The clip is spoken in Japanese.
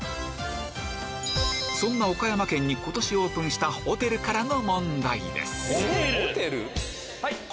そんな岡山県に今年オープンしたホテルからの問題です